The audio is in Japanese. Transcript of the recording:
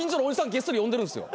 ゲストに呼んでるんですよ。